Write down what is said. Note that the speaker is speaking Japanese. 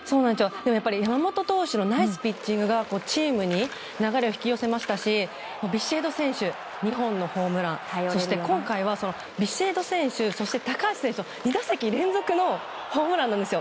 でもやっぱり山本投手のナイスピッチングがチームに流れを引き寄せましたしビシエド選手２本のホームランで今回はビシエド選手そして高橋選手と２打席連続のホームランなんですよ。